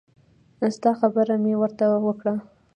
ستا خبره مې ورته وکړه.